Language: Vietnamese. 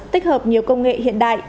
tích hợp nhiều công nghệ hiện đại